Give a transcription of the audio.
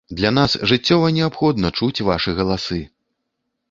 Для нас жыццёва неабходна чуць вашы галасы!